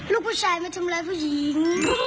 ลูกผู้ชายมาทำร้ายผู้หญิง